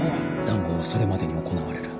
談合はそれまでに行われる。